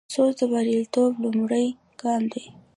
سوچ د بریالیتوب لومړی ګام دی.